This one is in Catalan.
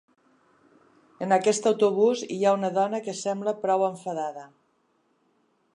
En aquest autobús hi ha una dona que sembla prou enfadada.